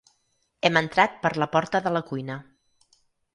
Hem entrat per la porta de la cuina.